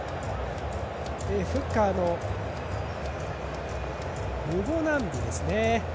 フッカーのムボナンビですね。